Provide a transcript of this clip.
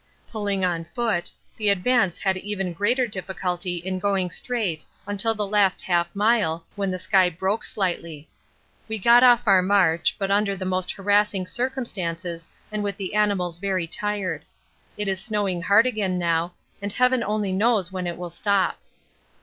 Pulling on foot, the advance had even greater difficulty in going straight until the last half mile, when the sky broke slightly. We got off our march, but under the most harassing circumstances and with the animals very tired. It is snowing hard again now, and heaven only knows when it will stop.